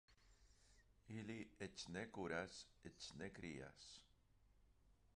Ili eĉ ne kuras, eĉ ne krias.